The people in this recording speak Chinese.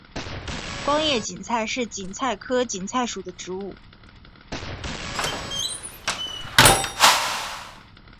光叶堇菜是堇菜科堇菜属的植物。